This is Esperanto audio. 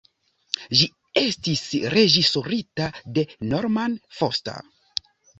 Ĝi estis reĝisorita de Norman Foster.